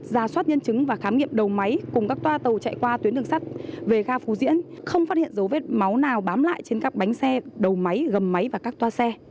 giả soát nhân chứng và khám nghiệm đầu máy cùng các toa tàu chạy qua tuyến đường sắt về ga phú diễn không phát hiện dấu vết máu nào bám lại trên các bánh xe đầu máy gầm máy và các toa xe